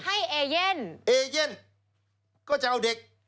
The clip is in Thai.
เอเย่นเอเย่นก็จะเอาเด็ก